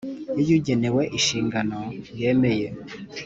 Iyo ugenewe inshingano yemeye